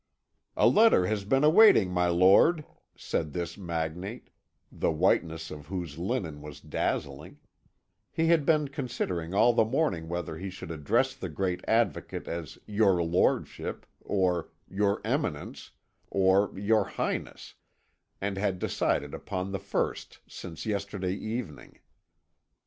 "A letter has been awaiting my lord," said this magnate, the whiteness of whose linen was dazzling; he had been considering all the morning whether he should address the great Advocate as "your lordship," or "your eminence," or "your highness," and had decided upon the first, "since yesterday evening."